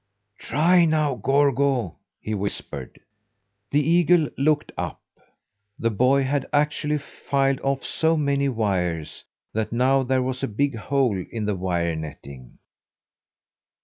"Try now, Gorgo!" he whispered. The eagle looked up. The boy had actually filed off so many wires that now there was a big hole in the wire netting.